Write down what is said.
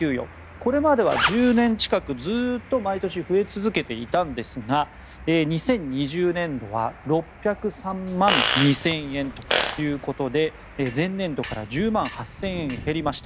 これまでは１０年近くずっと毎年増え続けていたんですが２０２０年度は６０３万２０００円ということで前年度から１０万８０００円減りました。